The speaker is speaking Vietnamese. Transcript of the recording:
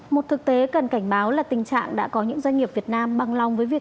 một thực tế cần cảnh báo là tình trạng đã có những doanh nghiệp việt nam bằng lòng với việc